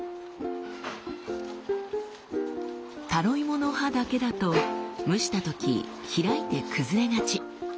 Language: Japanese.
タロイモの葉だけだと蒸したとき開いて崩れがち。